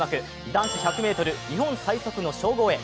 男子１００ｍ日本最速の称号へ。